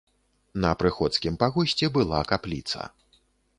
На прыходскім пагосце была капліца.